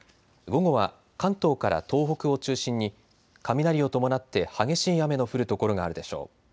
午後は関東から東北を中心に雷を伴って激しい雨の降る所があるでしょう。